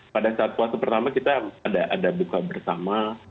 pada saat puasa pertama kita ada buka bersama